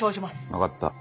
分かった。